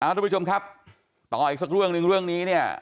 ทุกผู้ชมครับต่ออีกสักเรื่องหนึ่งเรื่องนี้เนี่ย